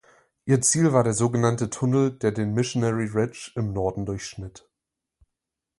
Ihr Ziel war der sogenannte Tunnel, der den Missionary Ridge im Norden durchschnitt.